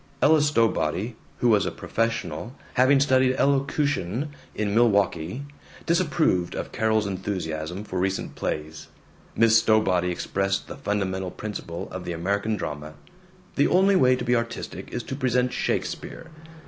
Ella Stowbody, who was a professional, having studied elocution in Milwaukee, disapproved of Carol's enthusiasm for recent plays. Miss Stowbody expressed the fundamental principle of the American drama: the only way to be artistic is to present Shakespeare.